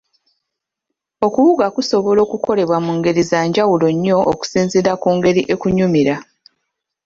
Okuwuga kusobola okukolebwa mu ngeri za njawulo nnyo okusinziira ku ngeri ekunyumira.